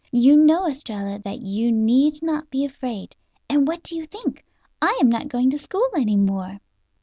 You know, Estralla, that you need not be afraid. And what do you think! I am not going to school any more."